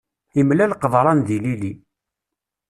Imlal qeḍṛan d ilili.